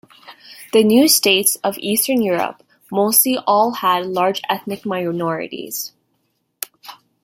The new states of eastern Europe mostly all had large ethnic minorities.